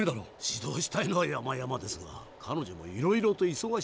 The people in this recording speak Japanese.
指導したいのはやまやまですが彼女もいろいろといそがしそうで。